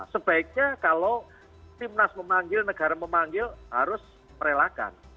sebaiknya kalau timnas memanggil negara memanggil harus merelakan